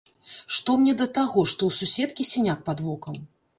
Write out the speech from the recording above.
Што мне да таго, што ў суседкі сіняк пад вокам?